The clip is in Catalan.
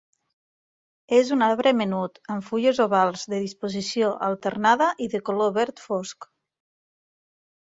És un arbre menut, amb fulles ovals, de disposició alternada i de color verd fosc.